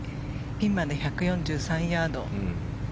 ピンまで１４３ヤード。